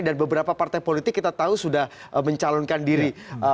dan beberapa partai politik kita tahu sudah mencalonkan diri